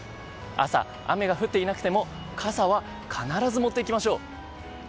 朝、雨が降っていなくても傘は必ず持っていきましょう。